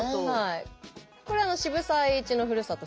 これは渋沢栄一のふるさと